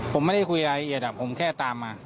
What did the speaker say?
ผมไม่ได้คุยรายละเอียดผมแค่ตามมา